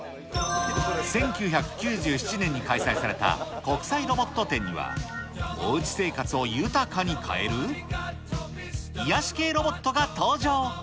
１９９７年に開催された国際ロボット展には、おうち生活を豊かに変える、癒やし系ロボットが登場。